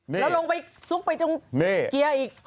แล้วลงไปซุกไปตรงเกียร์อีก